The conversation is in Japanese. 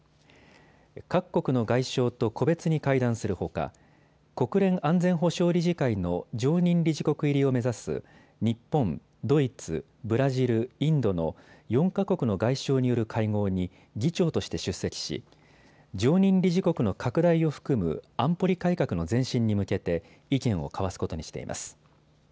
各国の外相と個別に会談するほか国連安全保障理事会の常任理事国入りを目指す日本、ドイツ、ブラジル、インドの４か国の外相による会合に議長として出席し常任理事国の拡大を含む安保理改革の前進に向けて意見を交わすことにしています。